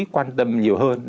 quan tâm nhiều hơn